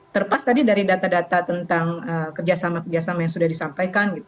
terpas tadi dari data data tentang kerjasama kerjasama yang sudah disampaikan